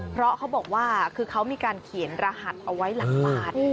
เพราะเขาบอกว่าคือเขามีการเขียนรหัสเอาไว้หลังบาท